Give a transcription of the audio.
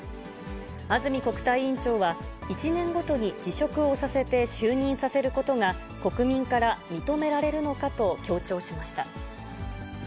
安住国対委員長は、１年ごとに辞職をさせて就任させることが、国民から認められるのかと強調しました。